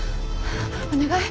お願い。